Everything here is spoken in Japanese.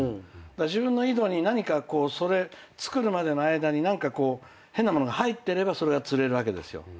自分の井戸に何か作るまでの間に変なものが入ってればそれが釣れるわけですよ。